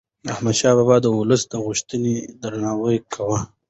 احمدشاه بابا د ولس د غوښتنو درناوی کاوه.